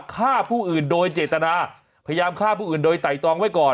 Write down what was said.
ฆ่าผู้อื่นโดยเจตนาพยายามฆ่าผู้อื่นโดยไต่ตองไว้ก่อน